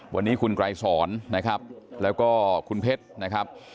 วันนี้คุณไกรศรและคุณเพชร